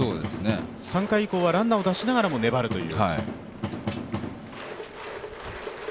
３回以降はランナーを出しながらも粘るという。